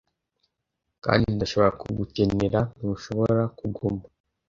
Kandi ndashobora kugukenera; ntushobora kuguma? "